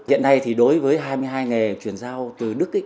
hiện nay thì đối với hai mươi hai nghề truyền giao từ đức